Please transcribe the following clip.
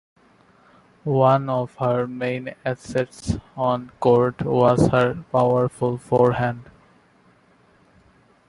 One of her main assets on court was her powerful forehand.